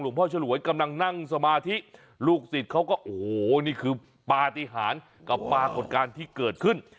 พ่อฉลวยกำลังนั่งสมาธิลูกศิษย์เขาก็โอ้โหนี่คือปฏิหารกับปรากฏการณ์ที่เกิดขึ้น